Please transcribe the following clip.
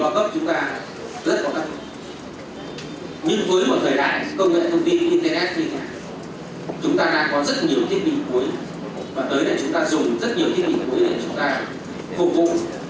và tới đây chúng ta dùng rất nhiều thiết bị cuối để chúng ta phục vụ